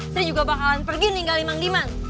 sri juga bakalan pergi ninggalin mang diman